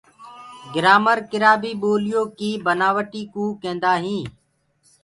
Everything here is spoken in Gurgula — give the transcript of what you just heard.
گرآمر ڪِرآ بي بوليو ڪيِ بنآوٽي ڪوُ ڪيندآ هينٚ۔